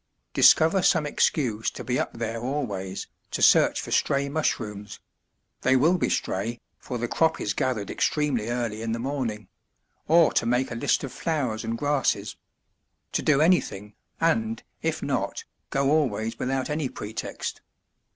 Discover some excuse to be up there always, to search for stray mushrooms they will be stray, for the crop is gathered extremely early in the morning or to make a list of flowers and grasses; to do anything, and, if not, go always without any pretext.